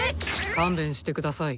勘弁して下さい。